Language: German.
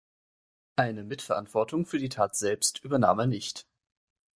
Eine Mitverantwortung für die Tat selbst übernahm er nicht.